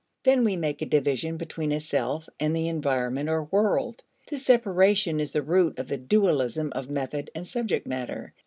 Then we make a division between a self and the environment or world. This separation is the root of the dualism of method and subject matter.